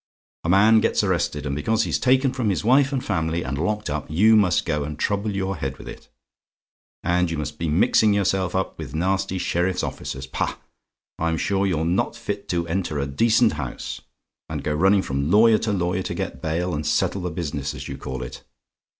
"A man gets arrested, and because he's taken from his wife and family, and locked up, you must go and trouble your head with it! And you must be mixing yourself up with nasty sheriff's officers pah! I'm sure you're not fit to enter a decent house and go running from lawyer to lawyer to get bail, and settle the business, as you call it!